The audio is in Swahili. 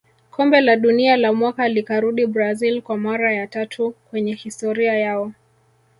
Kombe la dunia la mwaka likarudi brazil kwa mara ya tatu kwenye historia yao